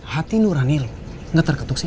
hati nurani lu gak terketuk sih